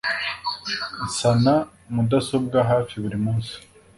Nsana mudasobwa hafi buri munsi